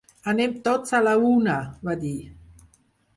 Anem tots a la una!, va dir.